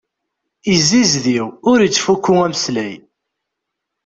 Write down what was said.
Izzizdiw, ur ittfukku ameslay.